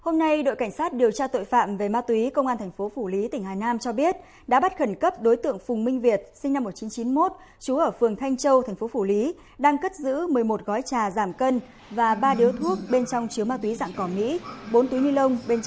các bạn hãy đăng ký kênh để ủng hộ kênh của chúng mình nhé